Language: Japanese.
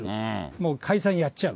もう解散やっちゃう。